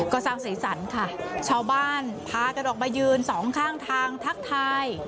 ก็สร้างสีสันค่ะชาวบ้านพากันออกมายืนสองข้างทางทักทาย